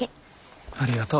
ありがとう。